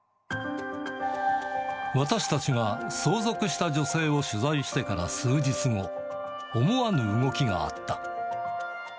私たちが相続をした女性を取材してから数日後、思わぬ動きがあった。